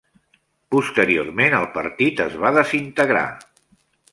Posteriorment el partit es va desintegrar.